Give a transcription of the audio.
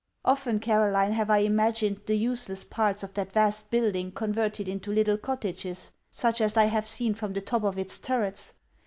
Often, Caroline, have I imagined the useless parts of that vast building converted into little cottages such as I have seen from the top of its turrets.